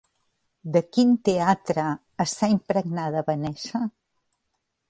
De quin teatre està impregnada Vanessa?